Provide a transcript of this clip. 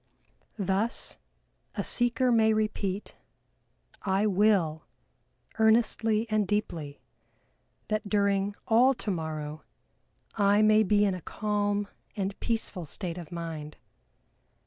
Thus a seeker may repeat: "I will, earnestly and deeply, that during all tomorrow I may be in a calm and peaceful state of mind.